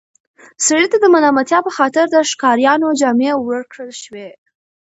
سړي ته د ملامتیا په خاطر د ښکاریانو جامې ورکړل شوې.